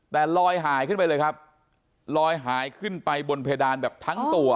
แต่ลอยหายขึ้นไปเลยครับลอยหายขึ้นไปบนเพดานแบบทั้งตัว